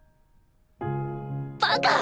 バカ！